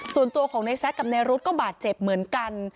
ส่วนตัวของในแซคกับในรุ๊ดก็บาดเจ็บเหมือนกัน